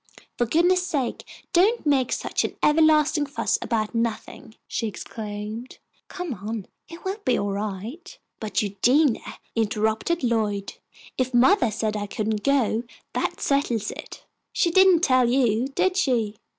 "For goodness' sake don't make such an everlasting fuss about nothing," she exclaimed. "Come on; it will be all right." "But Eugenia," interrupted Lloyd, "if mothah said I couldn't go that settles it." "She didn't tell you, did she?"